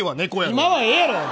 今はええやろ！